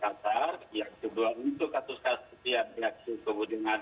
kasus yang reaktif yang dikendalikan isolasi beberapa posisi di kota makassar